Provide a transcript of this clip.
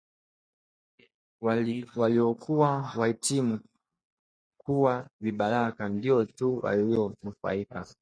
Waliokuwa wahitimu kuwa vibaraka ndio tu walionufaika